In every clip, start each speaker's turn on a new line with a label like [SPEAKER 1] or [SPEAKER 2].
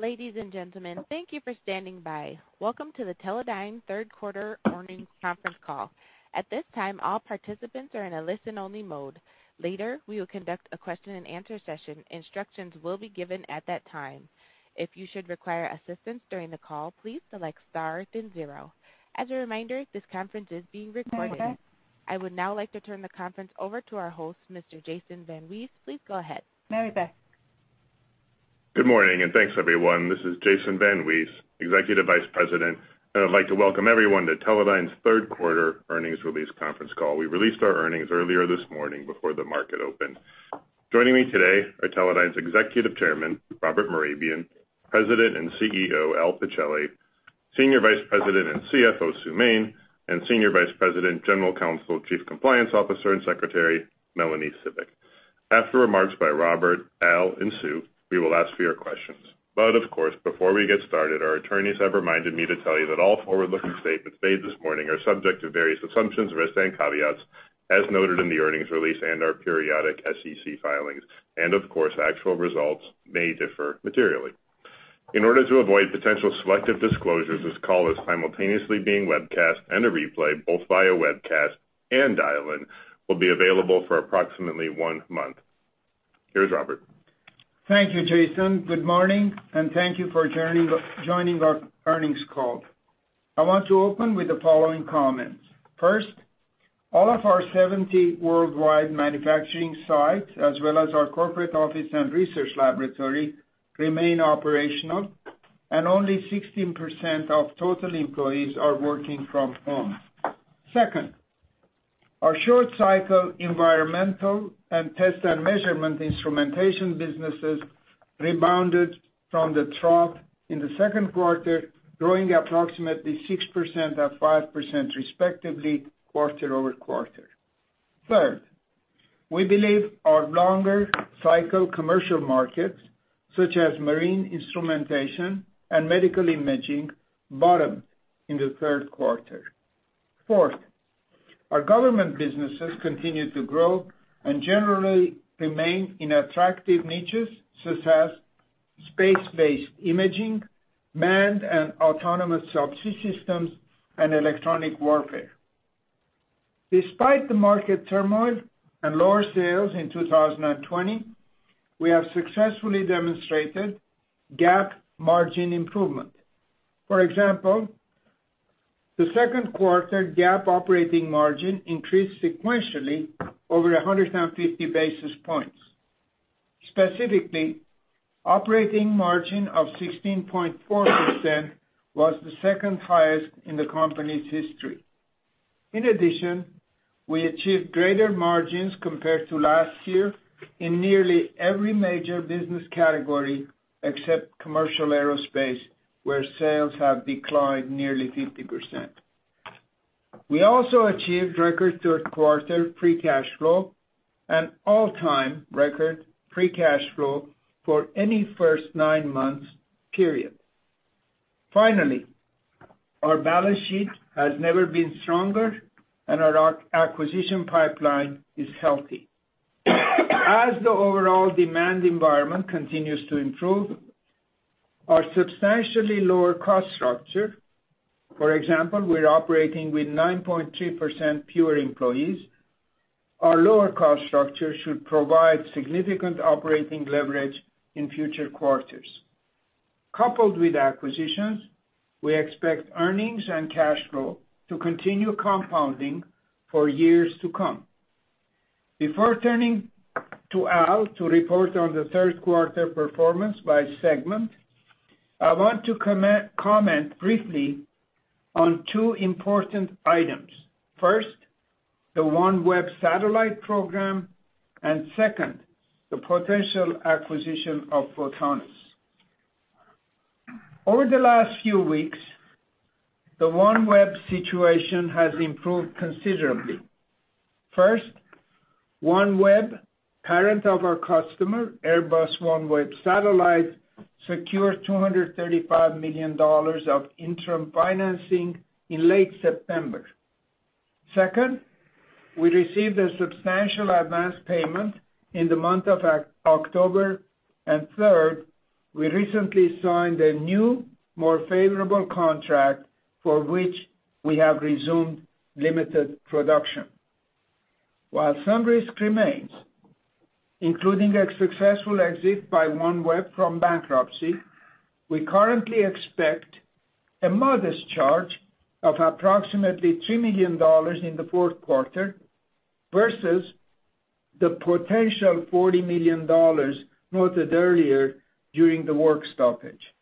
[SPEAKER 1] Ladies and gentlemen, thank you for standing by.. Welcome to the Teledyne third quarter earnings conference call. At this time, all participants are in a listen-only mode. Later, we will conduct a question-and-answer session. Instructions will be given at that time. If you should require assistance during the call, please select star then zero. As a reminder, this conference is being recorded.
[SPEAKER 2] Melanie Cibik.
[SPEAKER 1] I would now like to turn the conference over to our host, Mr. Jason VanWees. Please go ahead.
[SPEAKER 2] Melanie Cibik.
[SPEAKER 3] Good morning and thanks, everyone. This is Jason VanWees, Executive Vice President, and I'd like to welcome everyone to Teledyne's third quarter earnings release conference call. We released our earnings earlier this morning before the market opened. Joining me today are Teledyne's Executive Chairman, Robert Mehrabian, President and CEO, Al Pichelli, Senior Vice President and CFO, Sue Main, and Senior Vice President, General Counsel, Chief Compliance Officer, and Secretary, Melanie Cibik. After remarks by Robert, Al, and Sue, we will ask for your questions. But, of course, before we get started, our attorneys have reminded me to tell you that all forward-looking statements made this morning are subject to various assumptions, risks, and caveats, as noted in the earnings release and our periodic SEC filings. Of course, actual results may differ materially. In order to avoid potential selective disclosures, this call is simultaneously being webcast and a replay, both via webcast and dial-in, will be available for approximately one month. Here's Robert.
[SPEAKER 4] Thank you, Jason. Good morning, and thank you for joining our earnings call. I want to open with the following comments. First, all of our 70 worldwide manufacturing sites, as well as our corporate office and research laboratory, remain operational, and only 16% of total employees are working from home. Second, our short-cycle environmental and test and measurement instrumentation businesses rebounded from the trough in the second quarter, growing approximately 6% and 5%, respectively, quarter over quarter. Third, we believe our longer-cycle commercial markets, such as marine instrumentation and medical imaging, bottomed in the third quarter. Fourth, our government businesses continue to grow and generally remain in attractive niches, such as space-based imaging, manned and autonomous submersibles, and electronic warfare. Despite the market turmoil and lower sales in 2020, we have successfully demonstrated GAAP margin improvement. For example, the second quarter GAAP operating margin increased sequentially over 150 basis points. Specifically, operating margin of 16.4% was the second highest in the company's history. In addition, we achieved greater margins compared to last year in nearly every major business category except commercial aerospace, where sales have declined nearly 50%. We also achieved record third quarter free cash flow and all-time record free cash flow for any first nine months period. Finally, our balance sheet has never been stronger, and our acquisition pipeline is healthy. As the overall demand environment continues to improve, our substantially lower cost structure- for example, we're operating with 9.3% fewer employees- our lower cost structure should provide significant operating leverage in future quarters. Coupled with acquisitions, we expect earnings and cash flow to continue compounding for years to come. Before turning to Al to report on the third quarter performance by segment, I want to comment briefly on two important items. First, the OneWeb satellite program, and second, the potential acquisition of Photonis. Over the last few weeks, the OneWeb situation has improved considerably. First, OneWeb, parent of our customer, Airbus OneWeb Satellites, secured $235 million of interim financing in late September. Second, we received a substantial advance payment in the month of October. And third, we recently signed a new, more favorable contract for which we have resumed limited production. While some risk remains, including a successful exit by OneWeb from bankruptcy, we currently expect a modest charge of approximately $3 million in the fourth quarter versus the potential $40 million noted earlier during the work stoppage.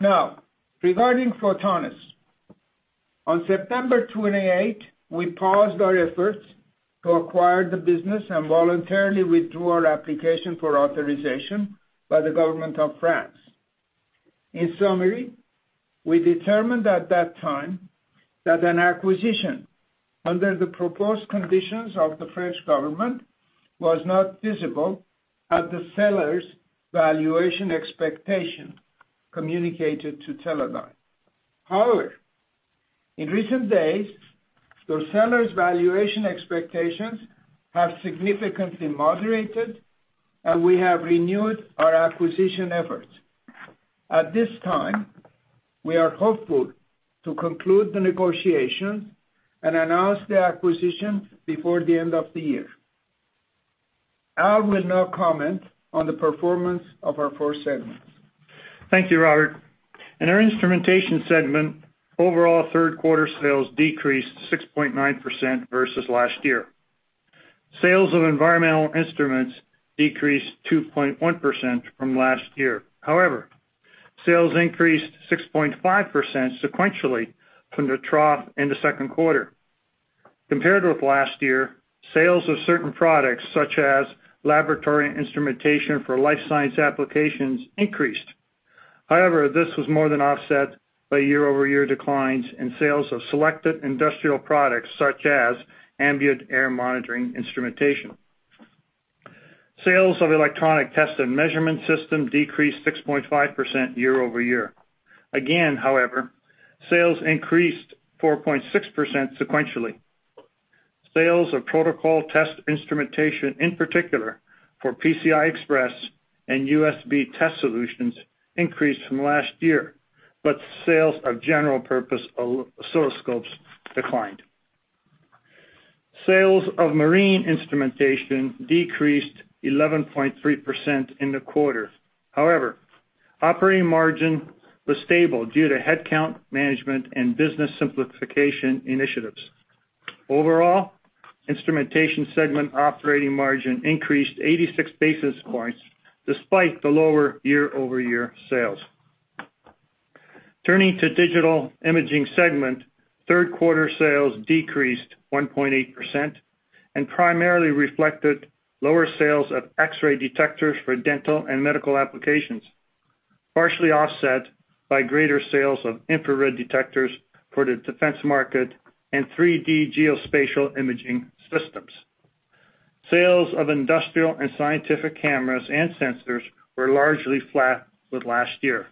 [SPEAKER 4] Now, regarding Photonis, on September 28, we paused our efforts to acquire the business and voluntarily withdrew our application for authorization by the government of France. In summary, we determined at that time that an acquisition under the proposed conditions of the French government was not feasible at the seller's valuation expectation communicated to Teledyne. However, in recent days, the seller's valuation expectations have significantly moderated, and we have renewed our acquisition efforts. At this time, we are hopeful to conclude the negotiations and announce the acquisition before the end of the year. I will now comment on the performance of our four segments.
[SPEAKER 5] Thank you, Robert. In our instrumentation segment, overall third quarter sales decreased 6.9% versus last year. Sales of environmental instruments decreased 2.1% from last year. However, sales increased 6.5% sequentially from the trough in the second quarter. Compared with last year, sales of certain products, such as laboratory instrumentation for life science applications, increased. However, this was more than offset by year-over-year declines in sales of selected industrial products, such as ambient air monitoring instrumentation. Sales of electronic test and measurement system decreased 6.5% year-over-year. Again, however, sales increased 4.6% sequentially. Sales of protocol test instrumentation, in particular for PCI Express and USB test solutions, increased from last year, but sales of general-purpose oscilloscopes declined. Sales of marine instrumentation decreased 11.3% in the quarter. However, operating margin was stable due to headcount management and business simplification initiatives. Overall, instrumentation segment operating margin increased 86 basis points despite the lower year-over-year sales. Turning to digital imaging segment, third quarter sales decreased 1.8% and primarily reflected lower sales of X-ray detectors for dental and medical applications, partially offset by greater sales of infrared detectors for the defense market and 3D geospatial imaging systems. Sales of industrial and scientific cameras and sensors were largely flat with last year,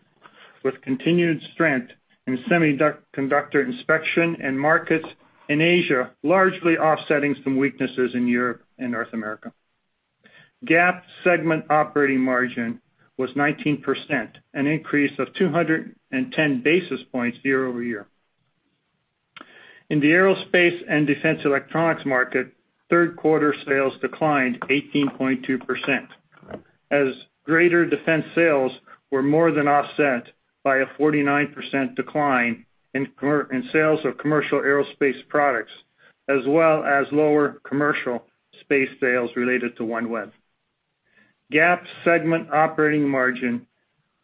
[SPEAKER 5] with continued strength in semiconductor inspection and markets in Asia, largely offsetting some weaknesses in Europe and North America. GAAP segment operating margin was 19%, an increase of 210 basis points year-over-year. In the aerospace and defense electronics market, third quarter sales declined 18.2%, as greater defense sales were more than offset by a 49% decline in sales of commercial aerospace products, as well as lower commercial space sales related to OneWeb. GAAP segment operating margin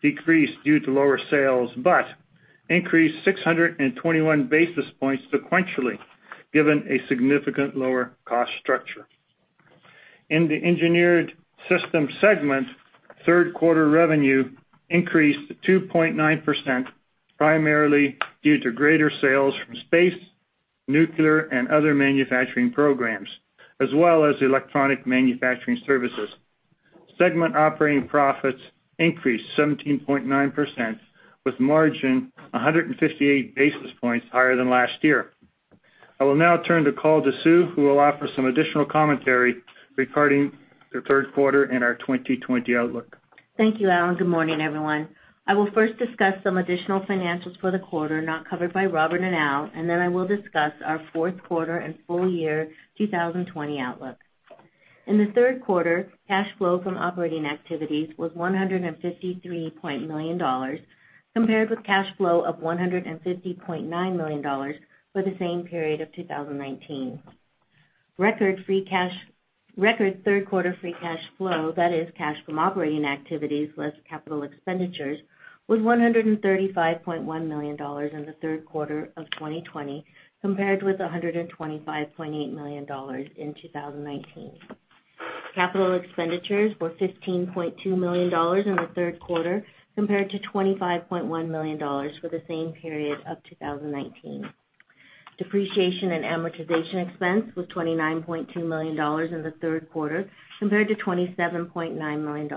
[SPEAKER 5] decreased due to lower sales but increased 621 basis points sequentially, given a significant lower cost structure. In the engineered systems segment, third quarter revenue increased 2.9%, primarily due to greater sales from space, nuclear, and other manufacturing programs, as well as electronic manufacturing services. Segment operating profits increased 17.9%, with margin 158 basis points higher than last year. I will now turn the call to Sue, who will offer some additional commentary regarding the third quarter and our 2020 outlook.
[SPEAKER 6] Thank you, Al. Good morning, everyone. I will first discuss some additional financials for the quarter not covered by Robert and Al, and then I will discuss our fourth quarter and full year 2020 outlook. In the third quarter, cash flow from operating activities was $153.9 million, compared with cash flow of $150.9 million for the same period of 2019. Record third quarter free cash flow, that is, cash from operating activities less capital expenditures, was $135.1 million in the third quarter of 2020, compared with $125.8 million in 2019. Capital expenditures were $15.2 million in the third quarter, compared to $25.1 million for the same period of 2019. Depreciation and amortization expense was $29.2 million in the third quarter, compared to $27.9 million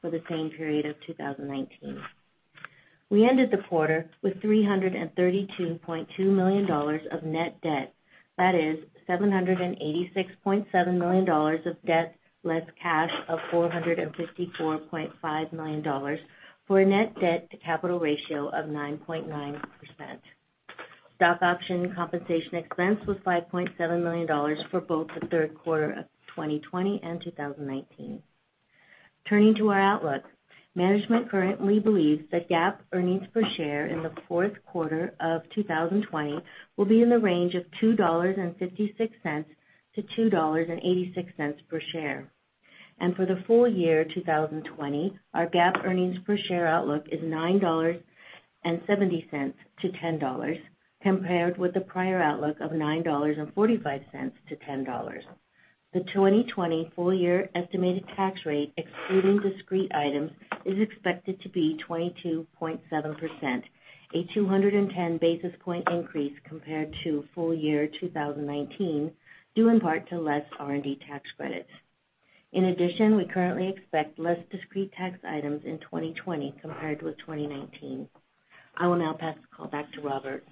[SPEAKER 6] for the same period of 2019. We ended the quarter with $332.2 million of net debt, that is, $786.7 million of debt less cash of $454.5 million for a net debt-to-capital ratio of 9.9%. Stock option compensation expense was $5.7 million for both the third quarter of 2020 and 2019. Turning to our outlook, management currently believes that GAAP earnings per share in the fourth quarter of 2020 will be in the range of $2.56-$2.86 per share, and for the full year 2020, our GAAP earnings per share outlook is $9.70-$10, compared with the prior outlook of $9.45-$10. The 2020 full year estimated tax rate, excluding discrete items, is expected to be 22.7%, a 210 basis point increase compared to full year 2019, due in part to less R&D tax credits. In addition, we currently expect less discrete tax items in 2020 compared with 2019. I will now pass the call back to Robert.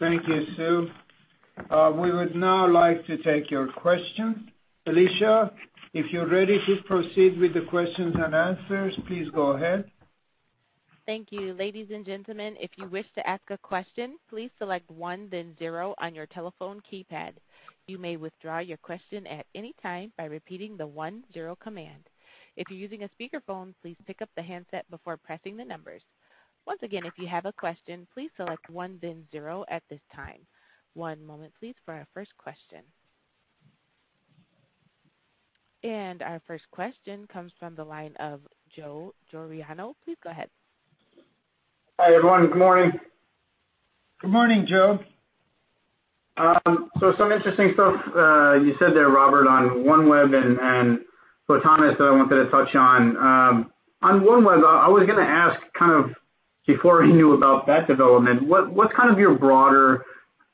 [SPEAKER 4] Thank you, Sue. We would now like to take your questions. Alicia, if you're ready to proceed with the questions and answers, please go ahead.
[SPEAKER 1] Thank you. Ladies and gentlemen, if you wish to ask a question, please select star, then zero on your telephone keypad. You may withdraw your question at any time by repeating the one, zero command. If you're using a speakerphone, please pick up the handset before pressing the numbers. Once again, if you have a question, please select one, then zero at this time. One moment, please, for our first question. Our first question comes from the line of Joe Giordano. Please go ahead.
[SPEAKER 7] Hi, everyone. Good morning.
[SPEAKER 5] Good morning, Joe.
[SPEAKER 7] So some interesting stuff you said there, Robert, on OneWeb and Photonis that I wanted to touch on. On OneWeb, I was going to ask kind of before we knew about that development, what's kind of your broader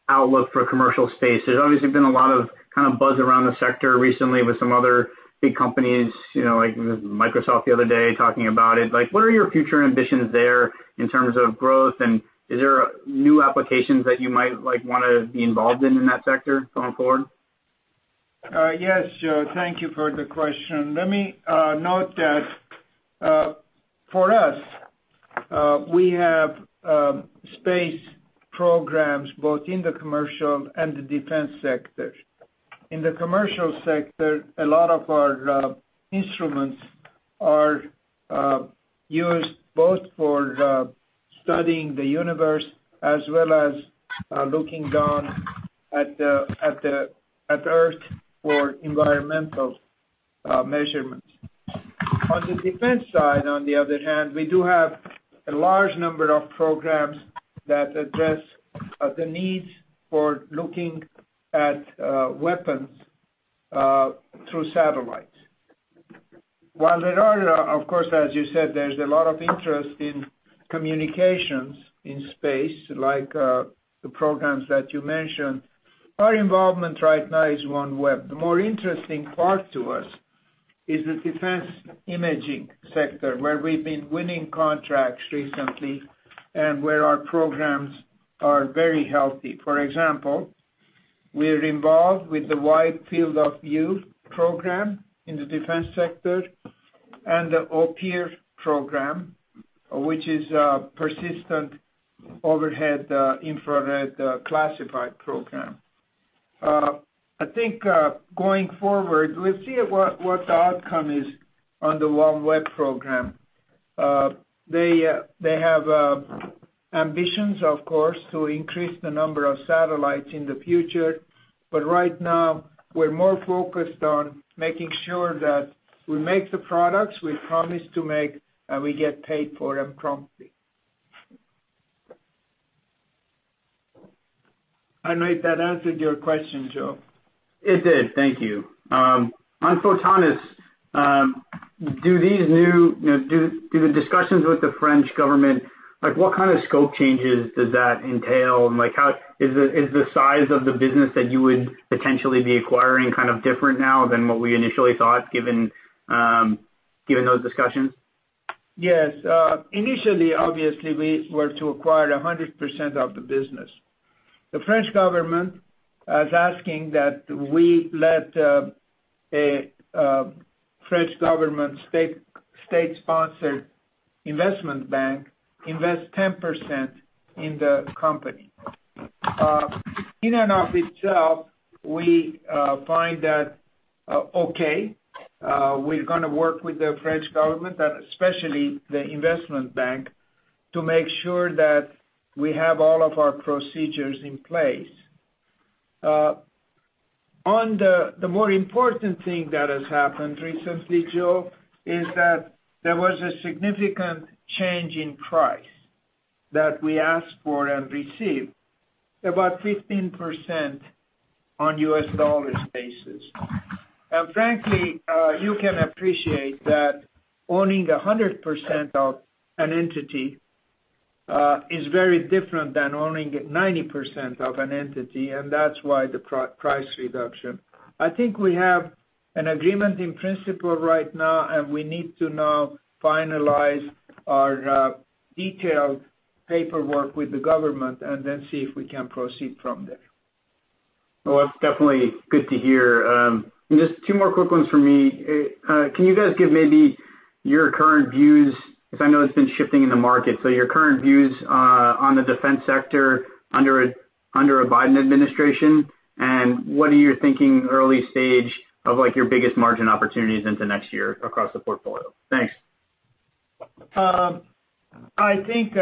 [SPEAKER 7] outlook for commercial space? There's obviously been a lot of kind of buzz around the sector recently with some other big companies, like Microsoft the other day, talking about it. What are your future ambitions there in terms of growth, and is there new applications that you might want to be involved in in that sector going forward?
[SPEAKER 4] Yes, Joe. Thank you for the question. Let me note that for us, we have space programs both in the commercial and the defense sector. In the commercial sector, a lot of our instruments are used both for studying the universe as well as looking down at the Earth for environmental measurements. On the defense side, on the other hand, we do have a large number of programs that address the needs for looking at weapons through satellites. While there are, of course, as you said, there's a lot of interest in communications in space, like the programs that you mentioned, our involvement right now is OneWeb. The more interesting part to us is the defense imaging sector, where we've been winning contracts recently and where our programs are very healthy. For example, we're involved with the Wide Field of View program in the defense sector and the OPIR program, which is a persistent overhead infrared classified program. I think going forward, we'll see what the outcome is on the OneWeb program. They have ambitions, of course, to increase the number of satellites in the future, but right now, we're more focused on making sure that we make the products we promised to make, and we get paid for them promptly. I don't know if that answered your question, Joe.
[SPEAKER 7] It did. Thank you. On Photonis, do these new discussions with the French government, what kind of scope changes does that entail? Is the size of the business that you would potentially be acquiring kind of different now than what we initially thought, given those discussions?
[SPEAKER 4] Yes. Initially, obviously, we were to acquire 100% of the business. The French government is asking that we let a French government state-sponsored investment bank invest 10% in the company. In and of itself, we find that okay. We're going to work with the French government, and especially the investment bank, to make sure that we have all of our procedures in place. The more important thing that has happened recently, Joe, is that there was a significant change in price that we asked for and received: about 15% on U.S. dollars basis. And frankly, you can appreciate that owning 100% of an entity is very different than owning 90% of an entity, and that's why the price reduction. I think we have an agreement in principle right now, and we need to now finalize our detailed paperwork with the government and then see if we can proceed from there.
[SPEAKER 7] That's definitely good to hear. Just two more quick ones from me. Can you guys give maybe your current views? Because I know it's been shifting in the market. Your current views on the defense sector under a Biden administration, and what are your thinking early stage of your biggest margin opportunities into next year across the portfolio? Thanks.
[SPEAKER 4] I think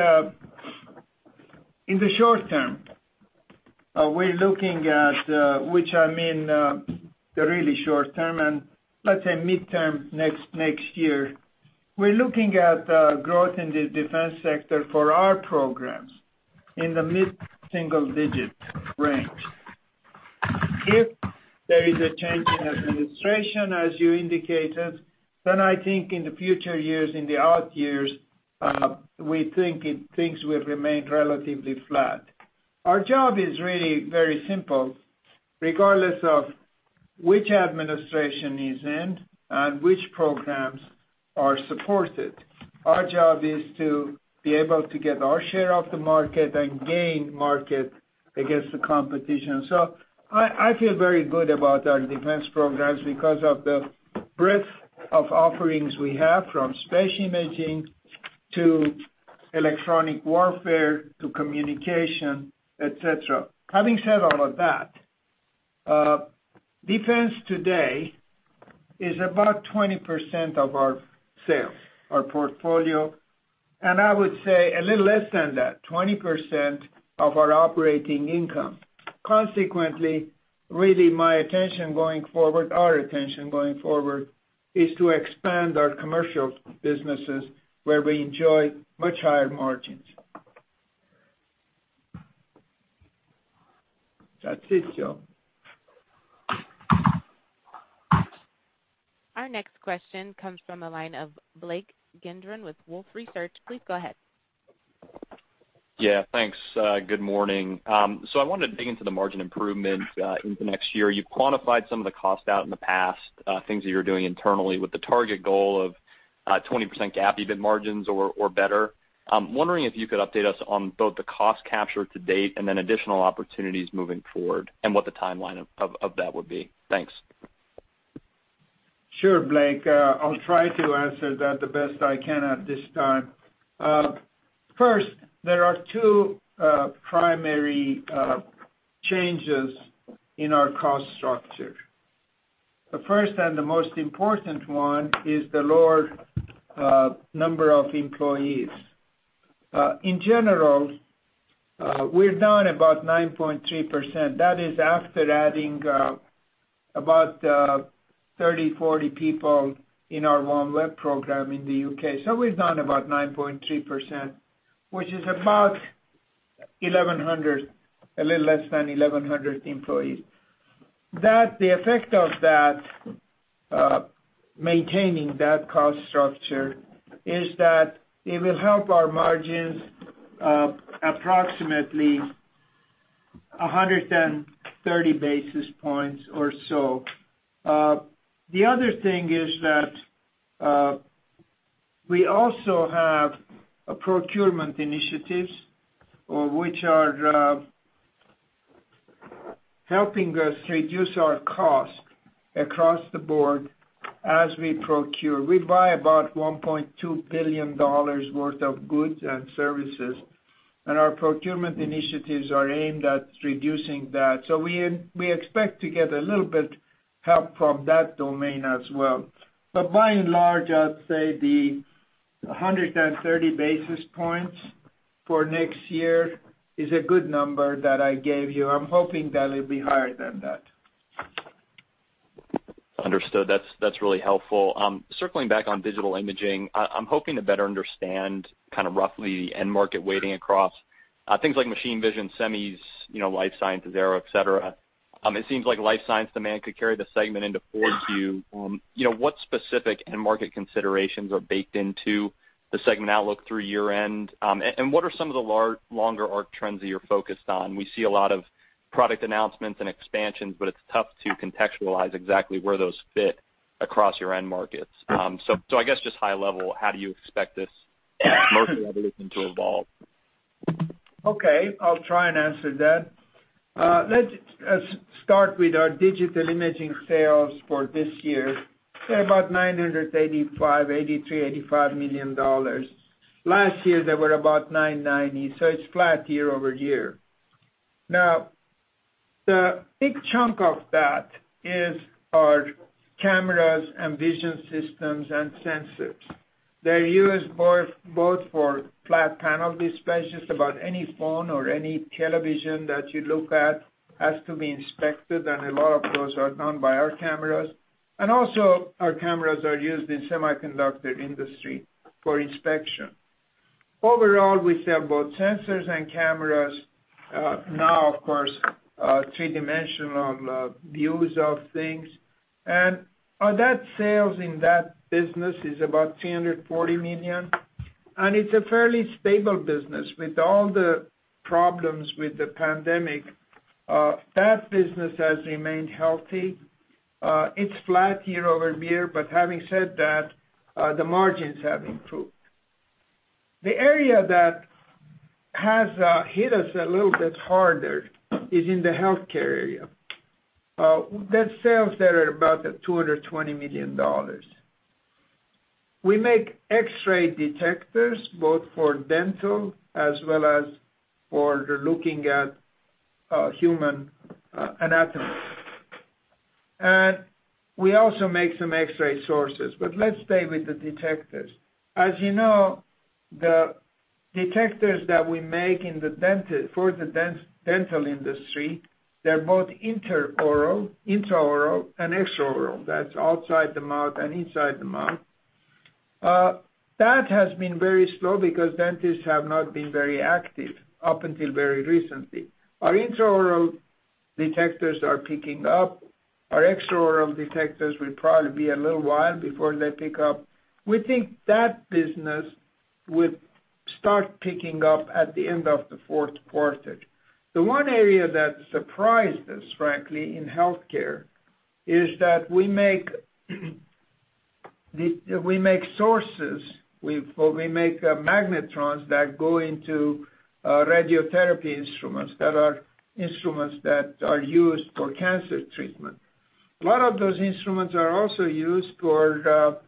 [SPEAKER 4] in the short term, which I mean the really short term and let's say midterm next year, we're looking at growth in the defense sector for our programs in the mid-single-digit range. If there is a change in administration, as you indicated, then I think in the future years, in the odd years, we think things will remain relatively flat. Our job is really very simple. Regardless of which administration is in and which programs are supported, our job is to be able to get our share of the market and gain market against the competition. So I feel very good about our defense programs because of the breadth of offerings we have, from space imaging to electronic warfare to communication, etc. Having said all of that, defense today is about 20% of our sales, our portfolio, and I would say a little less than that, 20% of our operating income. Consequently, really, my attention going forward, our attention going forward, is to expand our commercial businesses where we enjoy much higher margins. That's it, Joe.
[SPEAKER 1] Our next question comes from the line of Blake Gendron with Wolfe Research. Please go ahead.
[SPEAKER 8] Yeah. Thanks. Good morning. So I wanted to dig into the margin improvement into next year. You've quantified some of the costs out in the past, things that you're doing internally with the target goal of 20% GAAP EBIT margins or better. I'm wondering if you could update us on both the cost capture to date and then additional opportunities moving forward and what the timeline of that would be. Thanks.
[SPEAKER 4] Sure, Blake. I'll try to answer that the best I can at this time. First, there are two primary changes in our cost structure. The first and the most important one is the lower number of employees. In general, we're down about 9.3%. That is after adding about 30, 40 people in our OneWeb program in the U.K. So we're down about 9.3%, which is about 1,100, a little less than 1,100 employees. The effect of maintaining that cost structure is that it will help our margins approximately 130 basis points or so. The other thing is that we also have procurement initiatives, which are helping us reduce our cost across the board as we procure. We buy about $1.2 billion worth of goods and services, and our procurement initiatives are aimed at reducing that. So we expect to get a little bit of help from that domain as well. But by and large, I'd say the 130 basis points for next year is a good number that I gave you. I'm hoping that it'll be higher than that.
[SPEAKER 8] Understood. That's really helpful. Circling back on digital imaging, I'm hoping to better understand kind of roughly the end market weighting across things like machine vision, semis, life sciences, aero, etc. It seems like life science demand could carry the segment into 4Q. What specific end market considerations are baked into the segment outlook through year-end? And what are some of the longer arc trends that you're focused on? We see a lot of product announcements and expansions, but it's tough to contextualize exactly where those fit across your end markets. So I guess just high level, how do you expect this market evolution to evolve?
[SPEAKER 4] Okay. I'll try and answer that. Let's start with our digital imaging sales for this year. They're about $983.85 million. Last year, they were about $990 million. So it's flat year over year. Now, the big chunk of that is our cameras and vision systems and sensors. They're used both for flat panel displays. Just about any phone or any television that you look at has to be inspected, and a lot of those are done by our cameras. And also, our cameras are used in the semiconductor industry for inspection. Overall, we sell both sensors and cameras. Now, of course, three-dimensional views of things. And that sales in that business is about $340 million. And it's a fairly stable business. With all the problems with the pandemic, that business has remained healthy. It's flat year over year. But having said that, the margins have improved. The area that has hit us a little bit harder is in the healthcare area. That sales there are about $220 million. We make X-ray detectors both for dental as well as for looking at human anatomy. And we also make some X-ray sources. But let's stay with the detectors. As you know, the detectors that we make for the dental industry, they're both intraoral and extraoral. That's outside the mouth and inside the mouth. That has been very slow because dentists have not been very active up until very recently. Our intraoral detectors are picking up. Our extraoral detectors will probably be a little while before they pick up. We think that business will start picking up at the end of the fourth quarter. The one area that surprised us, frankly, in healthcare is that we make sources, we make magnetrons that go into radiotherapy instruments, that are instruments that are used for cancer treatment. A lot of those instruments are also used for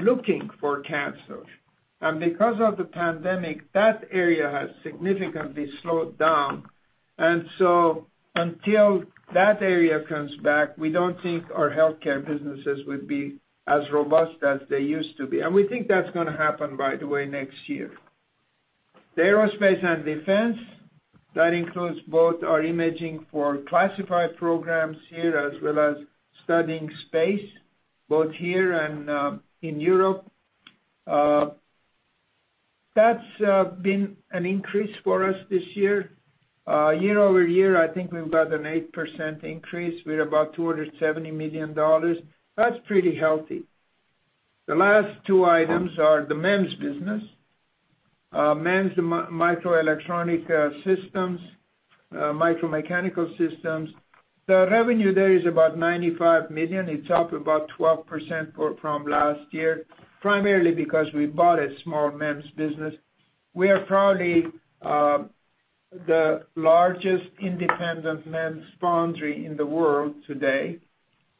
[SPEAKER 4] looking for cancers, and because of the pandemic, that area has significantly slowed down, and so until that area comes back, we don't think our healthcare businesses will be as robust as they used to be, and we think that's going to happen, by the way, next year. The aerospace and defense, that includes both our imaging for classified programs here as well as studying space, both here and in Europe. That's been an increase for us this year. Year over year, I think we've got an 8% increase. We're about $270 million. That's pretty healthy. The last two items are the MEMS business: MEMS, the microelectronic systems, micromechanical systems. The revenue there is about $95 million. It's up about 12% from last year, primarily because we bought a small MEMS business. We are probably the largest independent MEMS foundry in the world today,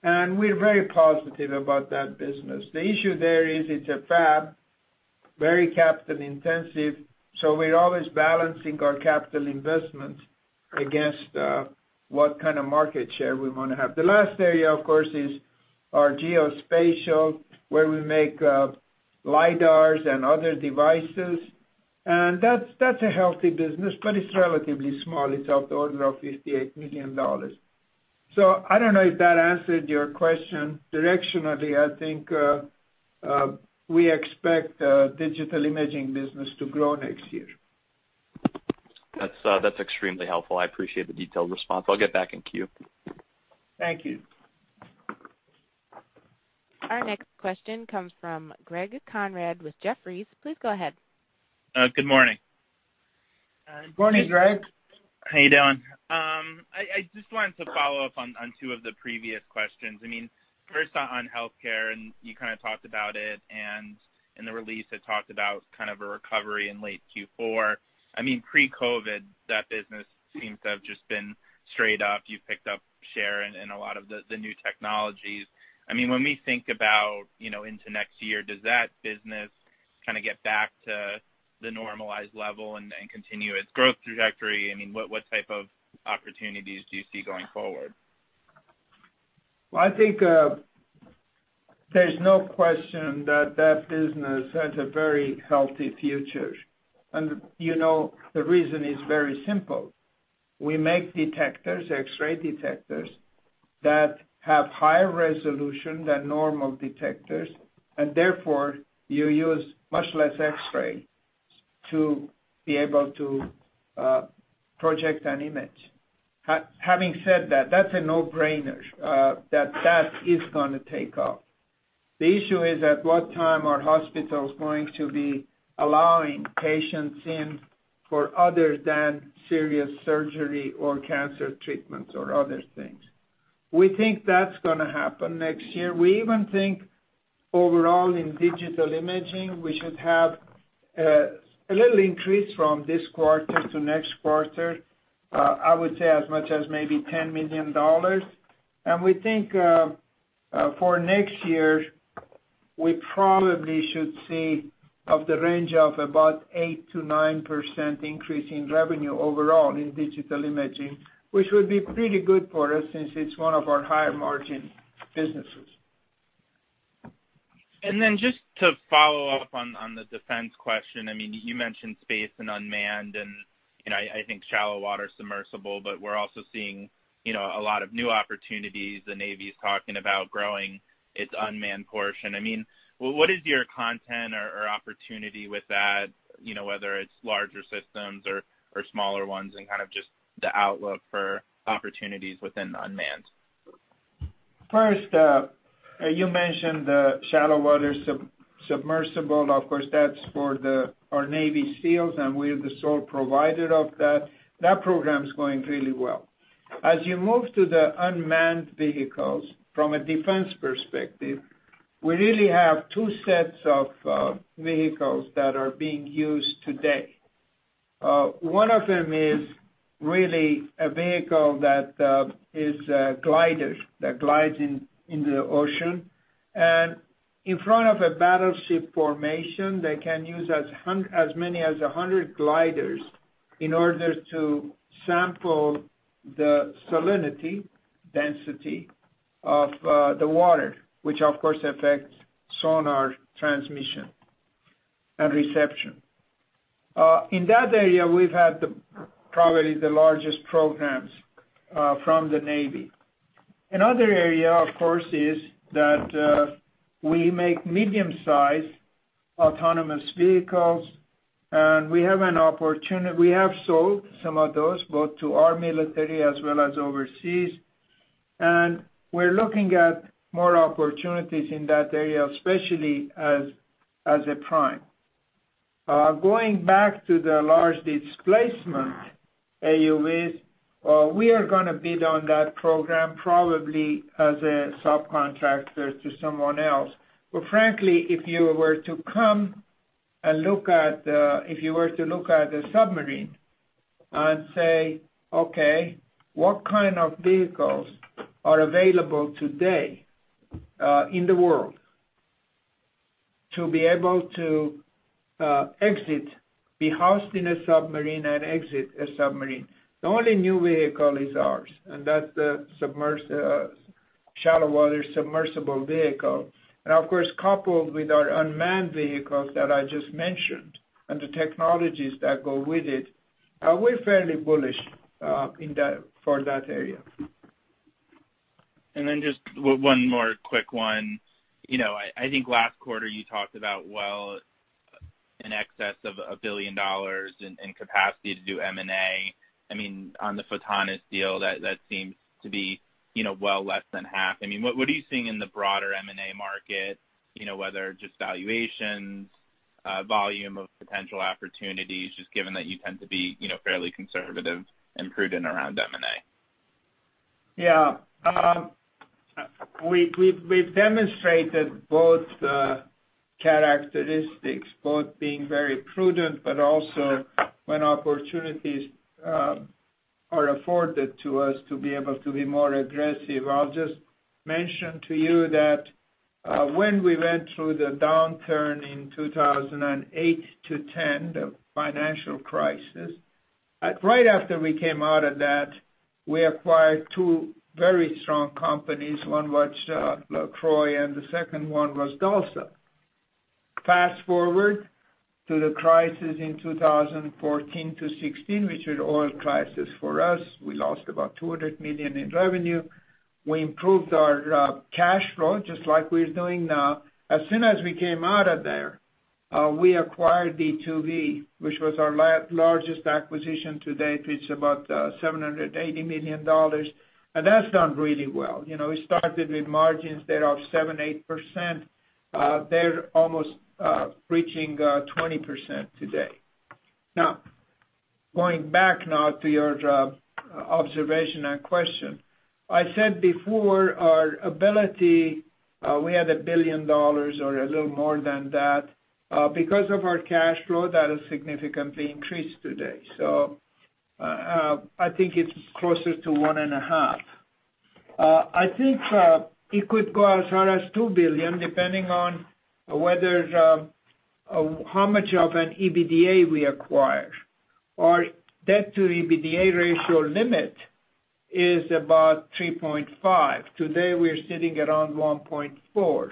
[SPEAKER 4] and we're very positive about that business. The issue there is it's a fab, very capital-intensive, so we're always balancing our capital investments against what kind of market share we want to have. The last area, of course, is our geospatial, where we make LiDARs and other devices, and that's a healthy business, but it's relatively small. It's of the order of $58 million, so I don't know if that answered your question. Directionally, I think we expect the digital imaging business to grow next year.
[SPEAKER 8] That's extremely helpful. I appreciate the detailed response. I'll get back in queue.
[SPEAKER 4] Thank you.
[SPEAKER 1] Our next question comes from Greg Konrad with Jefferies. Please go ahead.
[SPEAKER 9] Good morning.
[SPEAKER 5] Good morning, Greg.
[SPEAKER 9] How you doing? I just wanted to follow up on two of the previous questions. I mean, first on healthcare, and you kind of talked about it and in the release, it talked about kind of a recovery in late Q4. I mean, pre-COVID, that business seems to have just been straight up. You've picked up share in a lot of the new technologies. I mean, when we think about into next year, does that business kind of get back to the normalized level and continue its growth trajectory? I mean, what type of opportunities do you see going forward?
[SPEAKER 4] I think there's no question that that business has a very healthy future. The reason is very simple. We make detectors, X-ray detectors, that have higher resolution than normal detectors. Therefore, you use much less X-ray to be able to project an image. Having said that, that's a no-brainer that that is going to take off. The issue is at what time are hospitals going to be allowing patients in for other than serious surgery or cancer treatments or other things? We think that's going to happen next year. We even think overall in digital imaging, we should have a little increase from this quarter to next quarter, I would say as much as maybe $10 million. We think for next year, we probably should see the range of about 8%-9% increase in revenue overall in digital imaging, which would be pretty good for us since it's one of our higher margin businesses.
[SPEAKER 7] And then, just to follow up on the defense question, I mean, you mentioned space and unmanned. And I think shallow water submersible, but we're also seeing a lot of new opportunities. The Navy is talking about growing its unmanned portion. I mean, what is your content or opportunity with that, whether it's larger systems or smaller ones, and kind of just the outlook for opportunities within the unmanned?
[SPEAKER 4] First, you mentioned the shallow water submersible. Of course, that's for our Navy SEALs, and we're the sole provider of that. That program's going really well. As you move to the unmanned vehicles, from a defense perspective, we really have two sets of vehicles that are being used today. One of them is really a vehicle that is a glider that glides in the ocean. And in front of a battleship formation, they can use as many as 100 gliders in order to sample the salinity density of the water, which, of course, affects sonar transmission and reception. In that area, we've had probably the largest programs from the Navy. Another area, of course, is that we make medium-sized autonomous vehicles. And we have an opportunity. We have sold some of those both to our military as well as overseas. We're looking at more opportunities in that area, especially as a prime. Going back to the large displacement AUVs, we are going to bid on that program probably as a subcontractor to someone else. But frankly, if you were to look at a submarine and say, "Okay, what kind of vehicles are available today in the world to be able to exit, be housed in a submarine and exit a submarine?" The only new vehicle is ours. And that's the shallow water submersible vehicle. And of course, coupled with our unmanned vehicles that I just mentioned and the technologies that go with it, we're fairly bullish for that area.
[SPEAKER 7] And then just one more quick one. I think last quarter, you talked about, well, in excess of $1 billion in capacity to do M&A. I mean, on the Photonis deal, that seems to be well less than half. I mean, what are you seeing in the broader M&A market, whether just valuations, volume of potential opportunities, just given that you tend to be fairly conservative and prudent around M&A?
[SPEAKER 4] Yeah. We've demonstrated both characteristics, both being very prudent, but also when opportunities are afforded to us to be able to be more aggressive. I'll just mention to you that when we went through the downturn in 200-2010, the financial crisis, right after we came out of that, we acquired two very strong companies. One was LeCroy, and the second one was DALSA. Fast forward to the crisis in 2014-2016, which was an oil crisis for us. We lost about $200 million in revenue. We improved our cash flow just like we're doing now. As soon as we came out of there, we acquired D2V, which was our largest acquisition to date. It's about $780 million. And that's done really well. We started with margins there of 7%-8%. They're almost reaching 20% today. Now, going back now to your observation and question, I said before our ability, we had $1 billion or a little more than that. Because of our cash flow, that has significantly increased today. So I think it's closer to 1.5 billion. I think it could go as high as $2 billion, depending on how much of an EBITDA we acquire. Our debt-to-EBITDA ratio limit is about 3.5. Today, we're sitting around 1.4.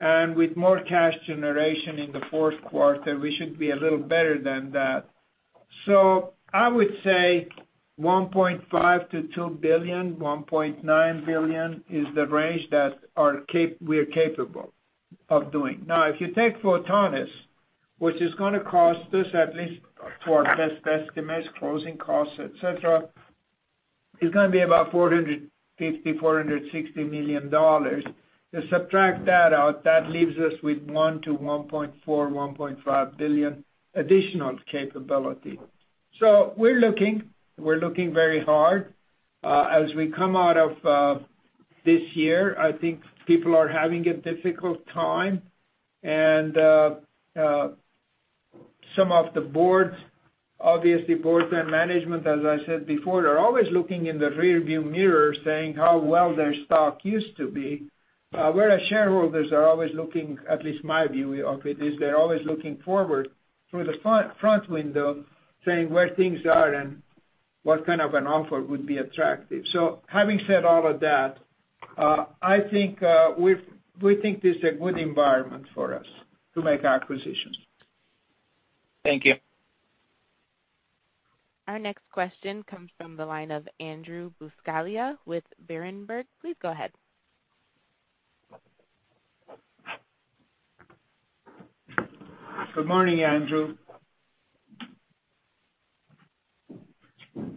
[SPEAKER 4] And with more cash generation in the fourth quarter, we should be a little better than that. So I would say $1.5 billion-$2 billion, $1.9 billion is the range that we're capable of doing. Now, if you take Photonis, which is going to cost us, at least for our best estimates, closing costs, etc., it's going to be about $450 billion-$460 million. To subtract that out, that leaves us with $1 billion-$1.4 billion/$1.5 billion additional capability. So we're looking very hard. As we come out of this year, I think people are having a difficult time, and some of the boards, obviously, boards and management, as I said before, are always looking in the rearview mirror, saying how well their stock used to be. Whereas shareholders are always looking, at least my view of it, is they're always looking forward through the front window, saying where things are and what kind of an offer would be attractive. So having said all of that, I think we think this is a good environment for us to make acquisitions.
[SPEAKER 7] Thank you.
[SPEAKER 1] Our next question comes from the line of Andrew Buscaglia with Berenberg. Please go ahead.
[SPEAKER 4] Good morning, Andrew.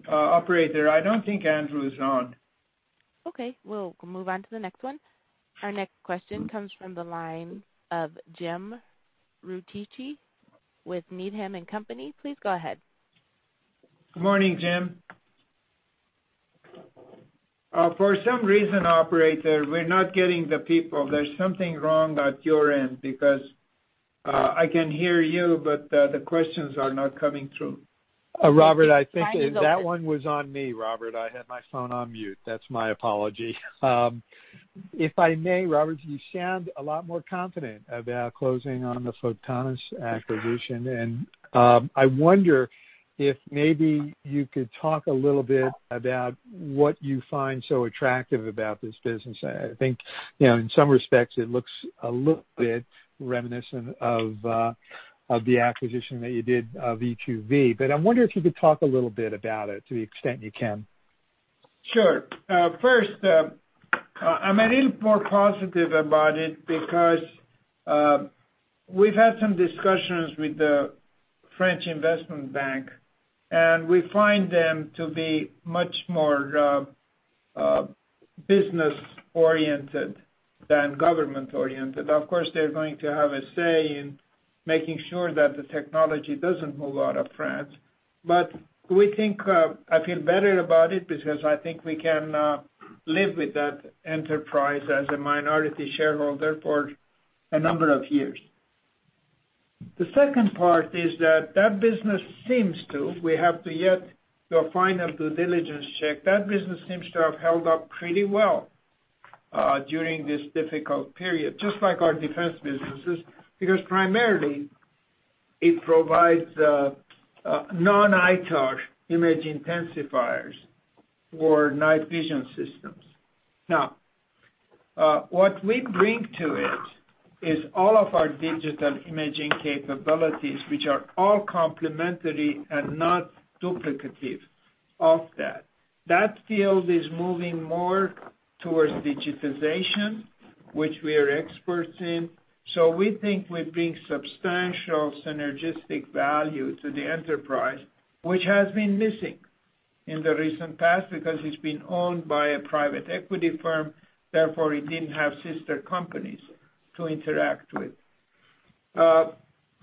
[SPEAKER 4] Operator, I don't think Andrew is on.
[SPEAKER 1] Okay. We'll move on to the next one. Our next question comes from the line of Jim Ricchiuti with Needham & Company. Please go ahead.
[SPEAKER 4] Good morning, Jim. For some reason, Operator, we're not getting the people. There's something wrong at your end because I can hear you, but the questions are not coming through.
[SPEAKER 5] Robert, I think that one was on me, Robert. I had my phone on mute. That's my apology. If I may, Robert, you sound a lot more confident about closing on the Photonis acquisition, and I wonder if maybe you could talk a little bit about what you find so attractive about this business. I think in some respects, it looks a little bit reminiscent of the acquisition that you did of e2v, but I wonder if you could talk a little bit about it to the extent you can.
[SPEAKER 4] Sure. First, I'm a little more positive about it because we've had some discussions with the French investment bank, and we find them to be much more business-oriented than government-oriented. Of course, they're going to have a say in making sure that the technology doesn't move out of France. But I feel better about it because I think we can live with that enterprise as a minority shareholder for a number of years. The second part is that that business seems to—we have to yet do a final due diligence check—that business seems to have held up pretty well during this difficult period, just like our defense businesses, because primarily, it provides non-ITAR image intensifiers for night vision systems. Now, what we bring to it is all of our digital imaging capabilities, which are all complementary and not duplicative of that. That field is moving more towards digitization, which we are experts in. So we think we bring substantial synergistic value to the enterprise, which has been missing in the recent past because it's been owned by a private equity firm. Therefore, it didn't have sister companies to interact with.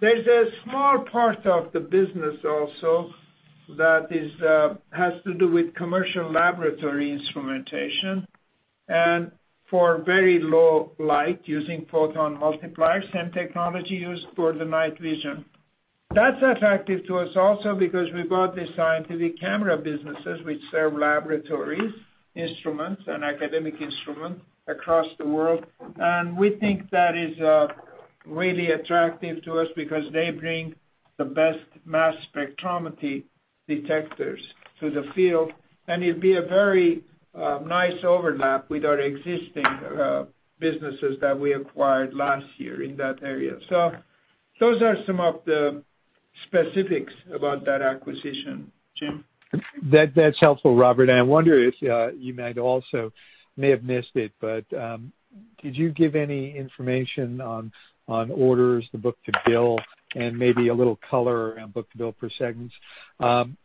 [SPEAKER 4] There's a small part of the business also that has to do with commercial laboratory instrumentation and for very low light using photonmultipliers, same technology used for the night vision. That's attractive to us also because we bought the scientific camera businesses, which serve laboratories, instruments, and academic instruments across the world. And we think that is really attractive to us because they bring the best mass spectrometry detectors to the field. And it'd be a very nice overlap with our existing businesses that we acquired last year in that area. So those are some of the specifics about that acquisition, Jim.
[SPEAKER 10] That's helpful, Robert, and I wonder if you might also, may have missed it, but did you give any information on orders, the book-to-bill, and maybe a little color on book-to-bill per segments?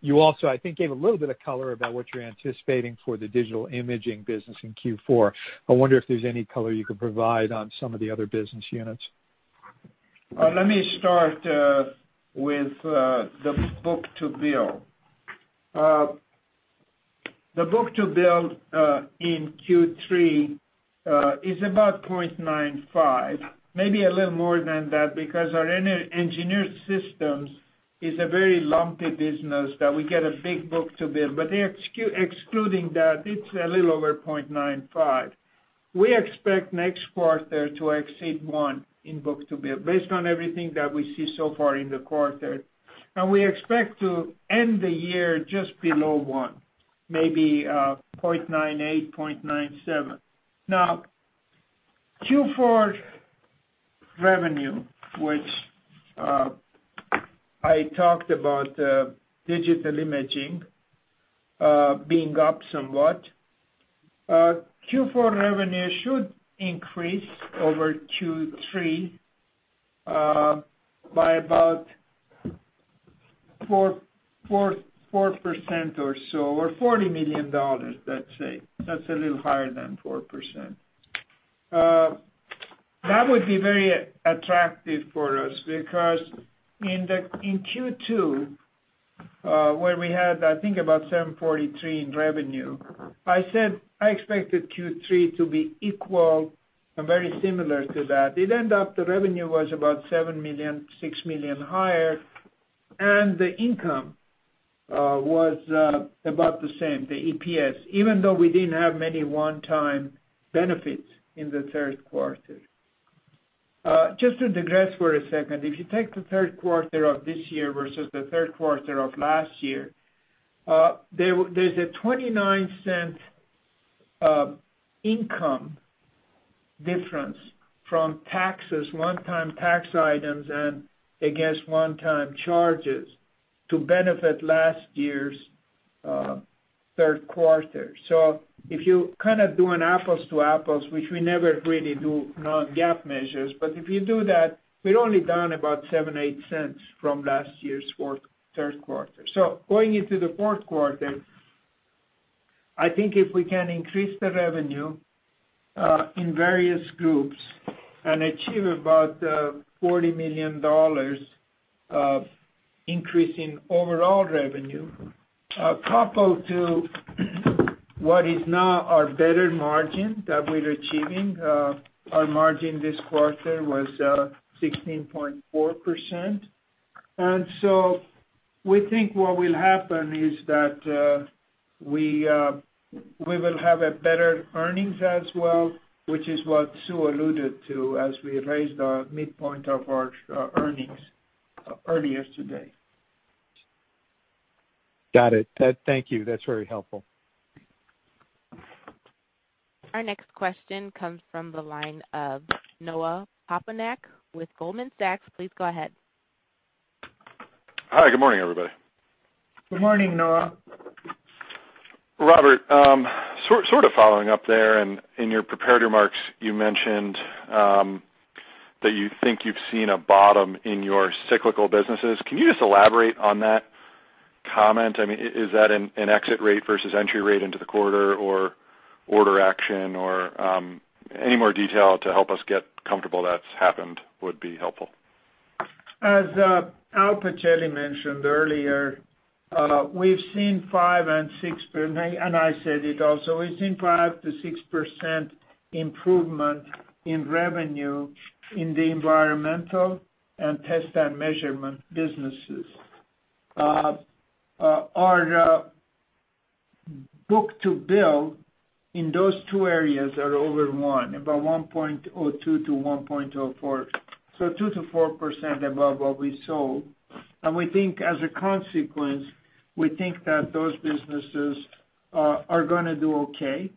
[SPEAKER 10] You also, I think, gave a little bit of color about what you're anticipating for the digital imaging business in Q4. I wonder if there's any color you could provide on some of the other business units.
[SPEAKER 4] Let me start with the book to bill. The book to bill in Q3 is about 0.95, maybe a little more than that because our engineered systems is a very lumpy business that we get a big book to bill. But excluding that, it's a little over 0.95. We expect next quarter to exceed 1 in book to bill based on everything that we see so far in the quarter. And we expect to end the year just below 1, maybe 0.98, 0.97. Now, Q4 revenue, which I talked about digital imaging being up somewhat, Q4 revenue should increase over Q3 by about 4% or so, or $40 million, let's say. That's a little higher than 4%. That would be very attractive for us because in Q2, where we had, I think, about $743 million in revenue, I said I expected Q3 to be equal and very similar to that. It ended up the revenue was about $7 million, $6 million higher, and the income was about the same, the EPS, even though we didn't have many one-time benefits in the third quarter. Just to digress for a second, if you take the third quarter of this year versus the third quarter of last year, there's a $0.29 income difference from taxes, one-time tax items, and against one-time charges to benefit last year's third quarter. So if you kind of do an apples-to-apples, which we never really do non-GAAP measures, but if you do that, we're only down about $0.07-$0.08 from last year's third quarter. So going into the fourth quarter, I think if we can increase the revenue in various groups and achieve about $40 million increase in overall revenue, coupled to what is now our better margin that we're achieving, our margin this quarter was 16.4%. And so we think what will happen is that we will have better earnings as well, which is what Sue alluded to as we raised the midpoint of our earnings earlier today.
[SPEAKER 10] Got it. Thank you. That's very helpful.
[SPEAKER 1] Our next question comes from the line of Noah Poponak with Goldman Sachs. Please go ahead.
[SPEAKER 11] Hi. Good morning, everybody.
[SPEAKER 4] Good morning, Noah.
[SPEAKER 11] Robert, sort of following up there, in your prepared remarks, you mentioned that you think you've seen a bottom in your cyclical businesses. Can you just elaborate on that comment? I mean, is that an exit rate versus entry rate into the quarter or order action or any more detail to help us get comfortable that's happened would be helpful?
[SPEAKER 4] As Al Pichelli mentioned earlier, we've seen 5% and 6%, and I said it also. We've seen 5%-6% improvement in revenue in the environmental and test and measurement businesses. Our book-to-bill in those two areas are over 1, about 1.02 to 1.04, so 2%-4% above what we sold. We think as a consequence, we think that those businesses are going to do okay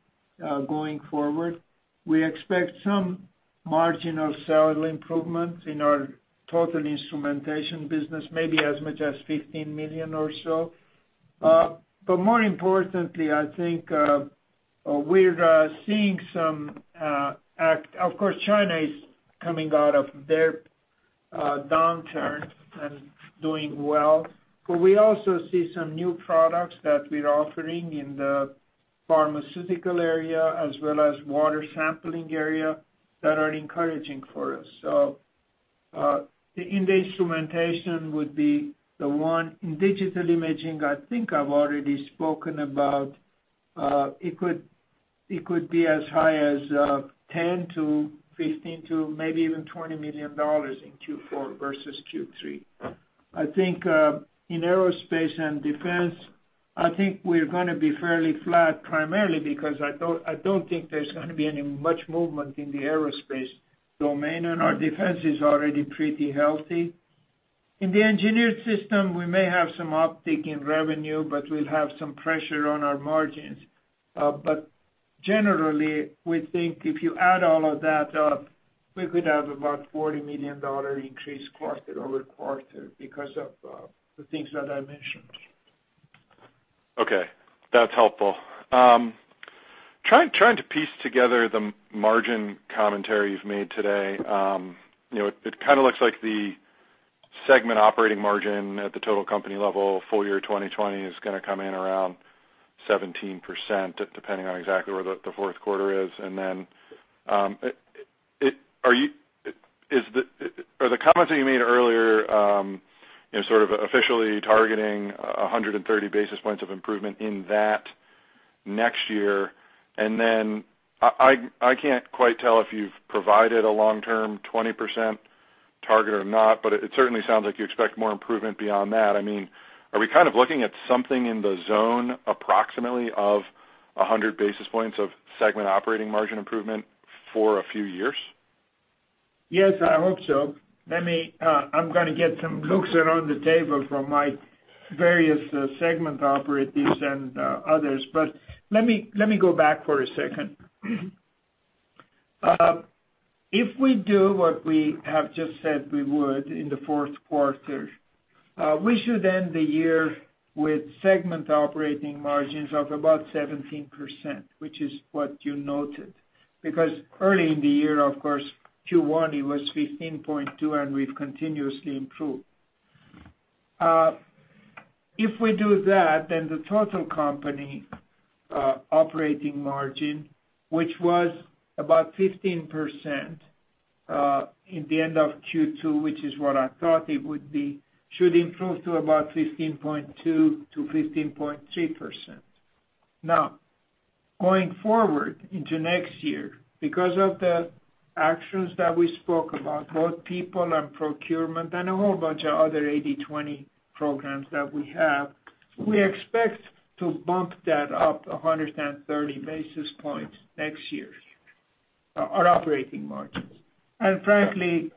[SPEAKER 4] going forward. We expect some marginal sale improvement in our total instrumentation business, maybe as much as $15 million or so. More importantly, I think we're seeing some activity. Of course, China is coming out of their downturn and doing well. We also see some new products that we're offering in the pharmaceutical area as well as water sampling area that are encouraging for us. In the instrumentation would be the one. In digital imaging, I think I've already spoken about it. It could be as high as $10 million-$15 million, maybe even $20 million in Q4 versus Q3. I think in aerospace and defense, I think we're going to be fairly flat, primarily because I don't think there's going to be any much movement in the aerospace domain, and our defense is already pretty healthy. In the engineered system, we may have some uptick in revenue, but we'll have some pressure on our margins. But generally, we think if you add all of that up, we could have about $40 million increase quarter over quarter because of the things that I mentioned.
[SPEAKER 11] Okay. That's helpful. Trying to piece together the margin commentary you've made today, it kind of looks like the segment operating margin at the total company level full year 2020 is going to come in around 17%, depending on exactly where the fourth quarter is. And then are the comments that you made earlier sort of officially targeting 130 basis points of improvement in that next year? And then I can't quite tell if you've provided a long-term 20% target or not, but it certainly sounds like you expect more improvement beyond that. I mean, are we kind of looking at something in the zone approximately of 100 basis points of segment operating margin improvement for a few years?
[SPEAKER 4] Yes, I hope so. I'm going to get some input around the table from my various segment operators and others. But let me go back for a second. If we do what we have just said we would in the fourth quarter, we should end the year with segment operating margins of about 17%, which is what you noted. Because early in the year, of course, Q1, it was 15.2%, and we've continuously improved. If we do that, then the total company operating margin, which was about 15% at the end of Q2, which is what I thought it would be, should improve to about 15.2%-15.3%. Now, going forward into next year, because of the actions that we spoke about, both people and procurement and a whole bunch of other 80/20 programs that we have, we expect to bump that up 130 basis points next year, our operating margins, and frankly,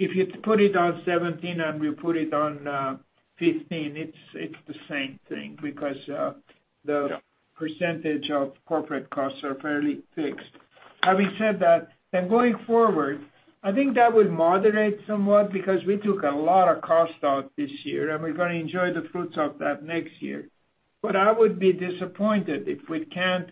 [SPEAKER 4] if you put it on 17 and you put it on 15, it's the same thing because the percentage of corporate costs are fairly fixed. Having said that, then going forward, I think that will moderate somewhat because we took a lot of cost out this year, and we're going to enjoy the fruits of that next year, but I would be disappointed if we can't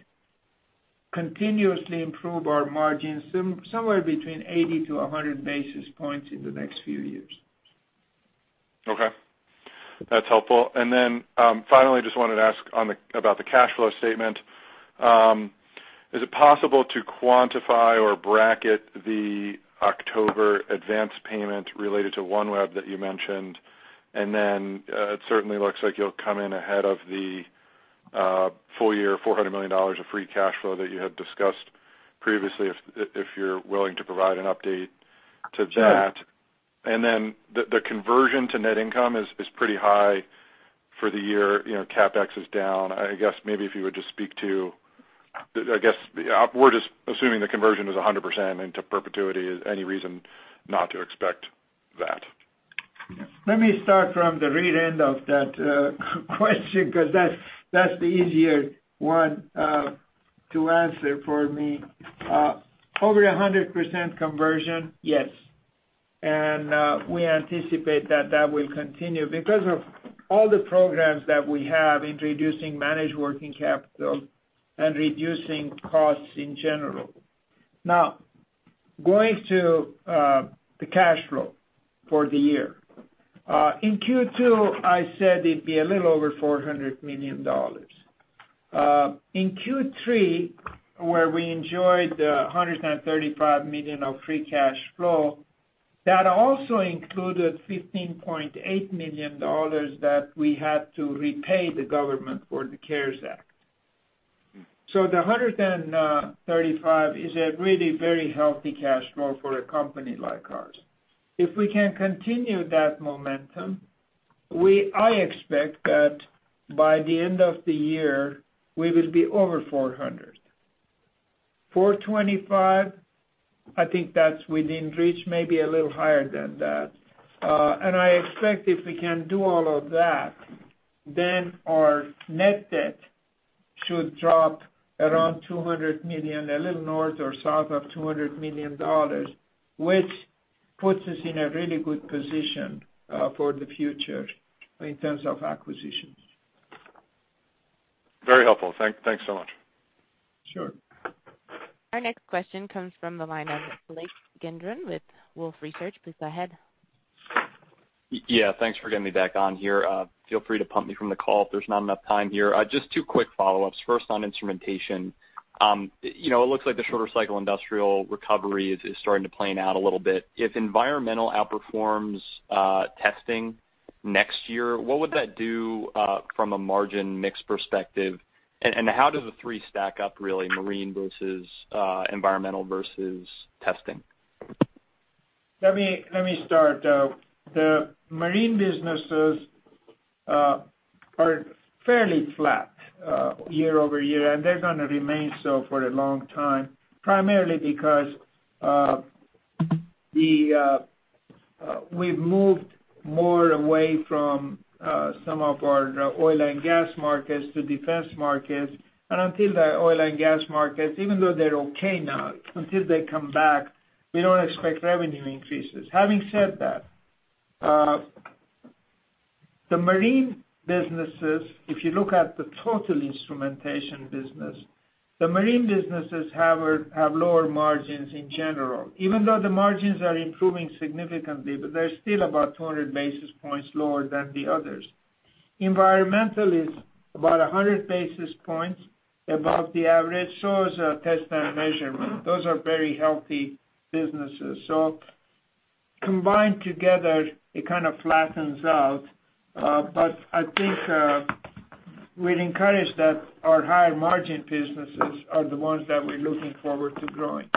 [SPEAKER 4] continuously improve our margins somewhere between 80-100 basis points in the next few years.
[SPEAKER 11] Okay. That's helpful. And then finally, I just wanted to ask about the cash flow statement. Is it possible to quantify or bracket the October advance payment related to OneWeb that you mentioned? And then it certainly looks like you'll come in ahead of the full year, $400 million of free cash flow that you had discussed previously if you're willing to provide an update to that. And then the conversion to net income is pretty high for the year. CapEx is down. I guess maybe if you would just speak to I guess we're just assuming the conversion is 100% into perpetuity. Any reason not to expect that?
[SPEAKER 4] Let me start from the rear end of that question because that's the easier one to answer for me. Over 100% conversion, yes, and we anticipate that that will continue because of all the programs that we have introducing managed working capital and reducing costs in general. Now, going to the cash flow for the year, in Q2, I said it'd be a little over $400 million. In Q3, where we enjoyed $135 million of free cash flow, that also included $15.8 million that we had to repay the government for the CARES Act. So the $135 million is a really very healthy cash flow for a company like ours. If we can continue that momentum, I expect that by the end of the year, we will be over $400 million. $425 million, I think that's within reach, maybe a little higher than that. I expect if we can do all of that, then our net debt should drop around $200 million, a little north or south of $200 million, which puts us in a really good position for the future in terms of acquisitions.
[SPEAKER 11] Very helpful. Thanks so much.
[SPEAKER 4] Sure.
[SPEAKER 1] Our next question comes from the line of Blake Gendron with Wolfe Research. Please go ahead.
[SPEAKER 12] Yeah. Thanks for getting me back on here. Feel free to bump me from the call if there's not enough time here. Just two quick follow-ups. First, on instrumentation, it looks like the shorter cycle industrial recovery is starting to play out a little bit. If environmental outperforms testing next year, what would that do from a margin mix perspective? And how do the three stack up, really, marine versus environmental versus testing?
[SPEAKER 4] Let me start. The marine businesses are fairly flat year over year, and they're going to remain so for a long time, primarily because we've moved more away from some of our oil and gas markets to defense markets. And until the oil and gas markets, even though they're okay now, until they come back, we don't expect revenue increases. Having said that, the marine businesses, if you look at the total instrumentation business, the marine businesses have lower margins in general, even though the margins are improving significantly, but they're still about 200 basis points lower than the others. Environmental is about 100 basis points above the average, so is test and measurement. Those are very healthy businesses. So combined together, it kind of flattens out. But I think we'd encourage that our higher margin businesses are the ones that we're looking forward to growing.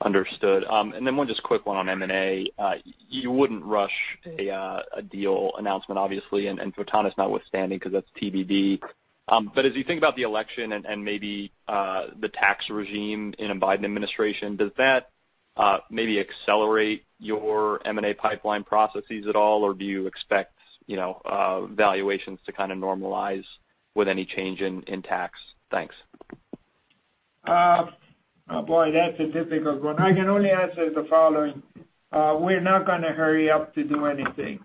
[SPEAKER 12] Understood. And then one just quick one on M&A. You wouldn't rush a deal announcement, obviously, and Triton is notwithstanding because that's TBD. But as you think about the election and maybe the tax regime in a Biden administration, does that maybe accelerate your M&A pipeline processes at all, or do you expect valuations to kind of normalize with any change in tax? Thanks.
[SPEAKER 4] Boy, that's a difficult one. I can only answer the following. We're not going to hurry up to do anything.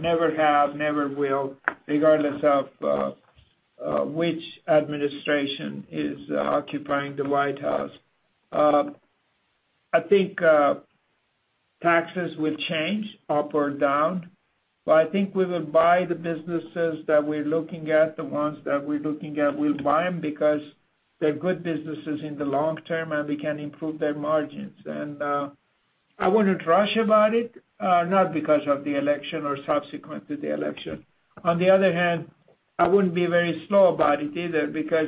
[SPEAKER 4] Never have, never will, regardless of which administration is occupying the White House. I think taxes will change up or down, but I think we will buy the businesses that we're looking at, the ones that we're looking at, we'll buy them because they're good businesses in the long term and they can improve their margins. And I wouldn't rush about it, not because of the election or subsequent to the election. On the other hand, I wouldn't be very slow about it either because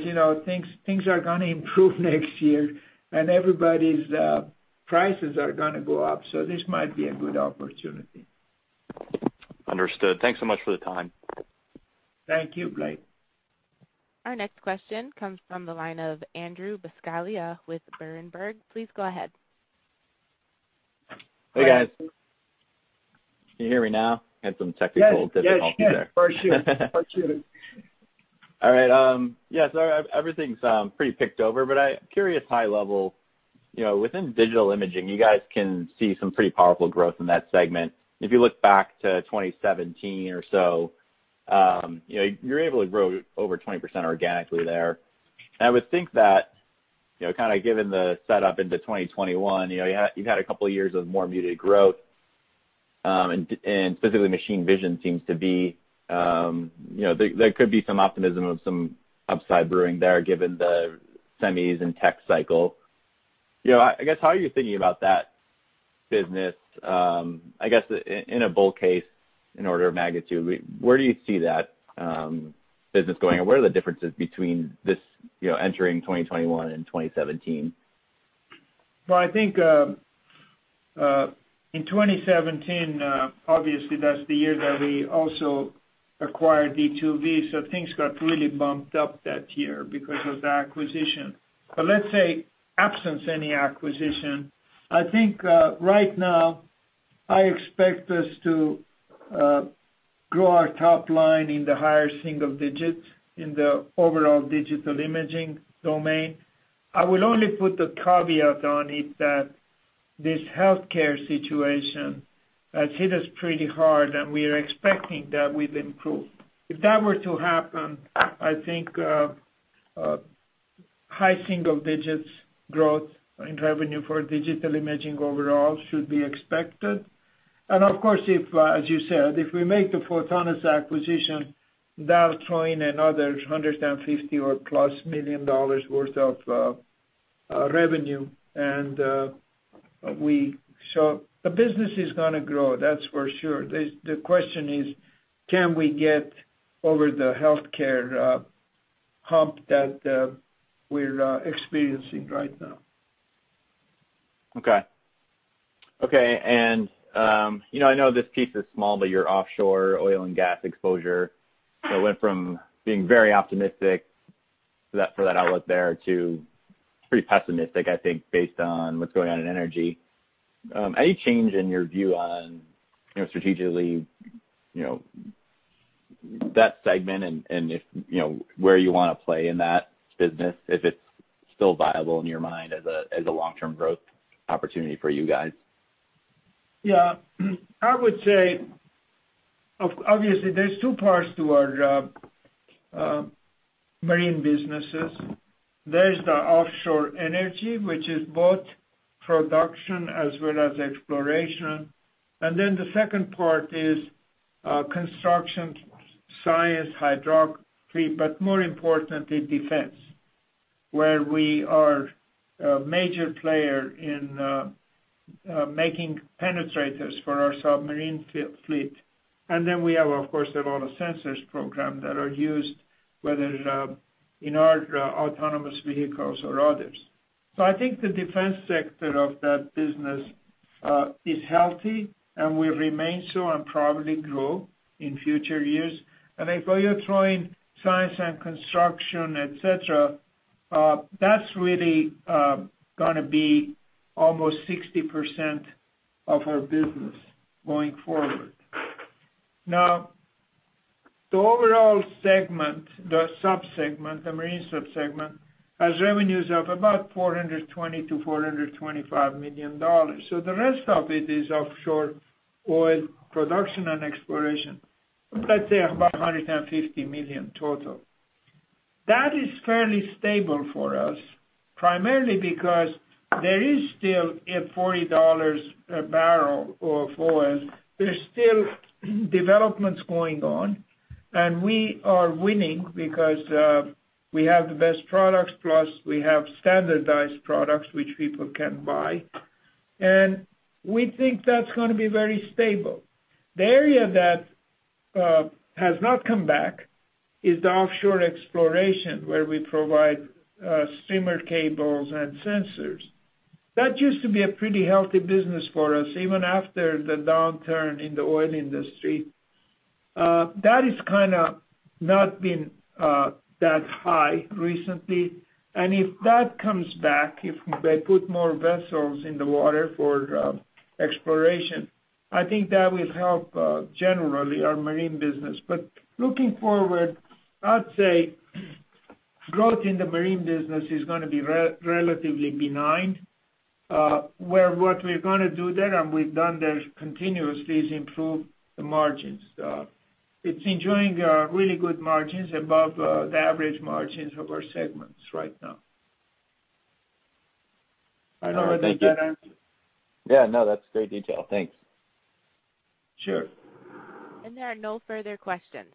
[SPEAKER 4] things are going to improve next year and everybody's prices are going to go up. So this might be a good opportunity.
[SPEAKER 12] Understood. Thanks so much for the time.
[SPEAKER 4] Thank you, Blake.
[SPEAKER 1] Our next question comes from the line of Andrew Buscaglia with Berenberg. Please go ahead.
[SPEAKER 13] Hey, guys. Can you hear me now? I had some technical difficulties there.
[SPEAKER 4] Yeah. For sure. For sure.
[SPEAKER 13] All right. Yeah. So everything's pretty picked over, but I'm curious, high level, within digital imaging, you guys can see some pretty powerful growth in that segment. If you look back to 2017 or so, you're able to grow over 20% organically there. And I would think that kind of given the setup into 2021, you've had a couple of years of more muted growth, and specifically machine vision seems to be there could be some optimism of some upside brewing there given the semis and tech cycle. I guess how are you thinking about that business? I guess in a bull case in order of magnitude, where do you see that business going? Where are the differences between this entering 2021 and 2017?
[SPEAKER 4] I think in 2017, obviously, that's the year that we also acquired D2V. Things got really bumped up that year because of the acquisition. Let's say absent any acquisition. I think right now, I expect us to grow our top line in the higher single digits in the overall digital imaging domain. I will only put the caveat on it that this healthcare situation has hit us pretty hard, and we are expecting that we've improved. If that were to happen, I think high single digits growth in revenue for digital imaging overall should be expected. Of course, as you said, if we make the Photonis acquisition, that'll throw in another $150 million or more worth of revenue. So the business is going to grow, that's for sure. The question is, can we get over the healthcare hump that we're experiencing right now?
[SPEAKER 13] Okay. Okay. And I know this piece is small, but your offshore oil and gas exposure, it went from being very optimistic for that outlook there to pretty pessimistic, I think, based on what's going on in energy. Any change in your view on strategically that segment and where you want to play in that business if it's still viable in your mind as a long-term growth opportunity for you guys?
[SPEAKER 4] Yeah. I would say, obviously, there's two parts to our marine businesses. There's the offshore energy, which is both production as well as exploration. And then the second part is construction, science, hydraulically, but more importantly, defense, where we are a major player in making penetrators for our submarine fleet. And then we have, of course, a lot of sensors program that are used, whether in our autonomous vehicles or others. So I think the defense sector of that business is healthy and will remain so and probably grow in future years. And if you're throwing science and construction, etc., that's really going to be almost 60% of our business going forward. Now, the overall segment, the subsegment, the marine subsegment, has revenues of about $420 million-$425 million. So the rest of it is offshore oil production and exploration, let's say about $150 million total. That is fairly stable for us, primarily because there is still at $40 a barrel of oil. There's still developments going on, and we are winning because we have the best products, plus we have standardized products which people can buy, and we think that's going to be very stable. The area that has not come back is the offshore exploration, where we provide streamer cables and sensors. That used to be a pretty healthy business for us, even after the downturn in the oil industry. That has kind of not been that high recently, and if that comes back, if they put more vessels in the water for exploration, I think that will help generally our marine business. But looking forward, I'd say growth in the marine business is going to be relatively benign, where what we're going to do there, and we've done there continuously, is improve the margins. It's enjoying really good margins above the average margins of our segments right now. I don't know if that answered?
[SPEAKER 13] Yeah. No, that's great detail. Thanks.
[SPEAKER 4] Sure.
[SPEAKER 1] There are no further questions.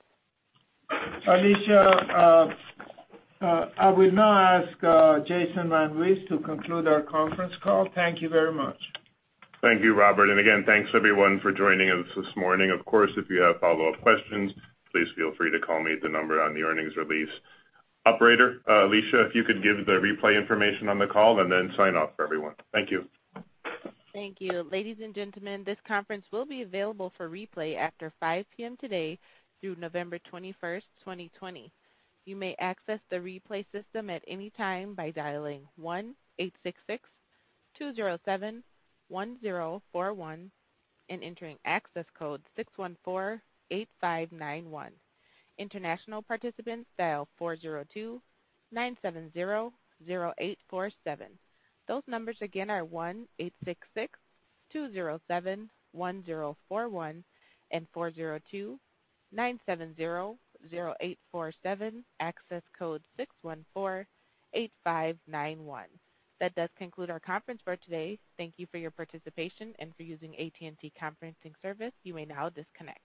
[SPEAKER 4] Alicia, I will now ask Jason VanWees to conclude our conference call. Thank you very much.
[SPEAKER 3] Thank you, Robert. And again, thanks everyone for joining us this morning. Of course, if you have follow-up questions, please feel free to call me at the number on the earnings release, operator. Alicia, if you could give the replay information on the call and then sign off for everyone. Thank you.
[SPEAKER 1] Thank you. Ladies and gentlemen, this conference will be available for replay after 5:00 P.M. today through November 21st, 2020. You may access the replay system at any time by dialing 1-866-207-1041 and entering access code 614-8591. International participants dial 402-970-0847. Those numbers again are 1-866-207-1041 and 402-970-0847, access code 614-8591. That does conclude our conference for today. Thank you for your participation and for using AT&T Conferencing Service. You may now disconnect.